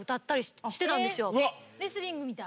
レスリングみたい！